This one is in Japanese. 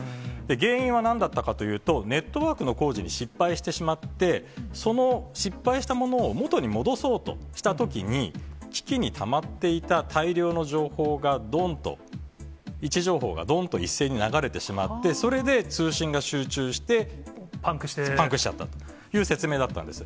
原因はなんだったかというと、ネットワークの工事に失敗してしまって、その失敗したものを元に戻そうとしたときに、機器にたまっていた大量の情報がどんと、位置情報がどんと一斉に流れてしまって、それで通信が集中して、パンクしちゃったという説明だったんです。